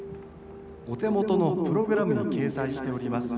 お手元のプログラムに掲載しております